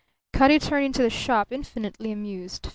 Cutty turned into the shop, infinitely amused.